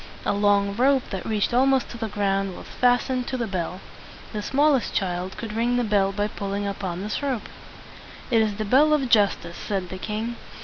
A long rope that reached almost to the ground was fas tened to the bell. The smallest child could ring the bell by pulling upon this rope. "It is the bell of justice," said the king.